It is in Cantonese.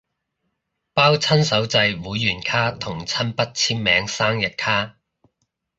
包親手製會員卡同親筆簽名生日卡